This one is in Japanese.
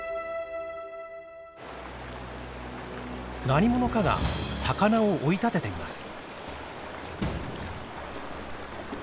何者かが魚を追い立てています。